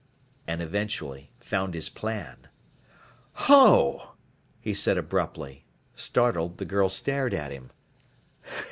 And eventually found his plan. "Ho!" he said abruptly. Startled, the girl stared at him.